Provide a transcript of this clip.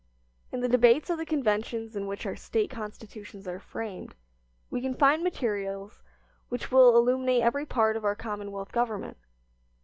In the debates of the conventions in which our State Constitutions are framed we can find materials which will illuminate every part of our commonwealth government.